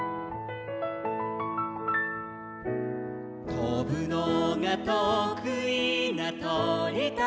「とぶのがとくいなとりたちも」